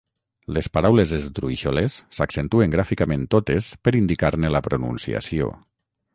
Les paraules esdrúixoles s'accentuen gràficament totes per indicar-ne la pronunciació.